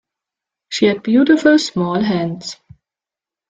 She had beautiful small hands.